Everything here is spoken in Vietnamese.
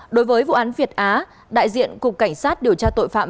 đối với vụ án việt á đại diện cục cảnh sát điều tra tội phạm